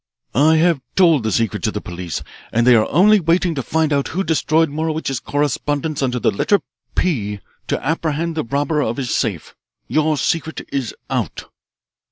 I have told the secret to the police, and they are only waiting to find who destroyed Morowitch's correspondence under the letter 'P' to apprehend the robber of his safe. Your secret is out."